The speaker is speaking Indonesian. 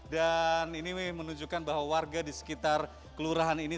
dan ini menunjukkan bahwa warga di sekitar kelurahan ini